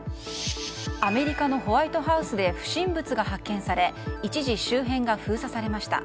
アメリカのホワイトハウスで不審物が発見され一時周辺が封鎖されました。